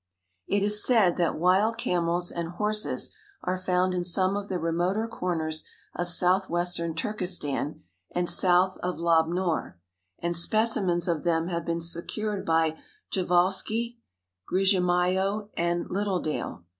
It is said that wild camels and horses are found in some of the remoter corners of southwestern Turkestan and south of Lob Nor, and specimens of them have been secured by Prjevalsky, Grijimailo and Littledale.